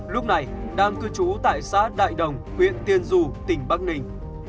lúc này đang cư trú tại xã đại đồng huyện tiên du tỉnh bắc ninh